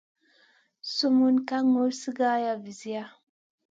Sumun ka ŋur sigara visia.